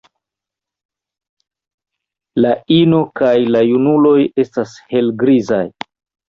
La ino kaj la junuloj estas helgrizaj.